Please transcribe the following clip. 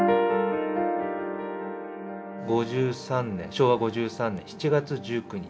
昭和５３年７月１９日。